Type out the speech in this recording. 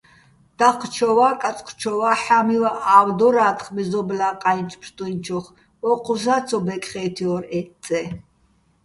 დაჴჴჩოვა́ კაწკჩოვა́, ჰ̦ა́მივაჸ ა́ვ დორა́თხ მეზობლა́ ჸაჲნჩო̆ ბსტუჲნჩოხ, ო́ჴუსა́ ცო ბეკხე́თჲორ ე წე.